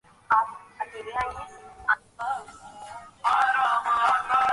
যা মুখে আসবে বানিয়ে বানিয়ে বলবি তুই?